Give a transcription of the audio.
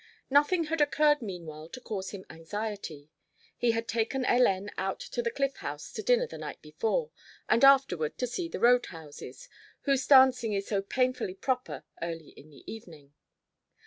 Nothing had occurred meanwhile to cause him anxiety. He had taken Hélène out to the Cliff House to dinner the night before, and afterward to see the road houses, whose dancing is so painfully proper early in the evening.